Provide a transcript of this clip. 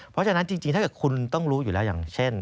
เพราะฉะนั้นจริงถ้าเกิดคุณต้องรู้อยู่แล้วอย่างเช่น